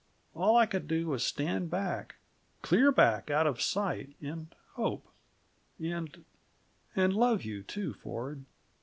All I could do was stand back clear back out of sight, and hope. And and love you, too, Ford.